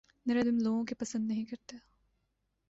نرم دل لوگوں کے پسند نہیں کرتا